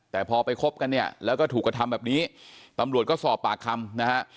แต่พอไปคบกันเนี่ยแล้วก็ถูกกระทำแบบนี้ตำรวจก็สอบปากคำนะฮะ